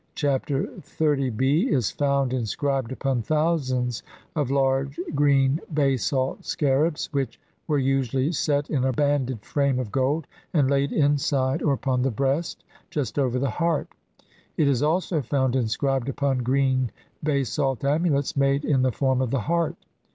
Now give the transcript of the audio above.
Chapter XXX b is found inscribed upon thousands of large green basalt scarabs, which were usually set in a banded frame of gold and laid inside or upon the breast, just over the heart ; it is also found inscribed upon green basalt amulets made in the form of the heart.